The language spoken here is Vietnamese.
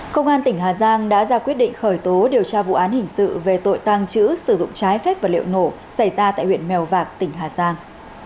công an tỉnh hà giang đã ra quyết định khởi tố điều tra vụ án hình sự về tội tàng trữ sử dụng trái phép vật liệu nổ xảy ra tại huyện mèo vạc tỉnh hà giang